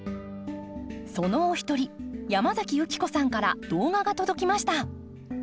そのお一人山崎由希子さんから動画が届きました。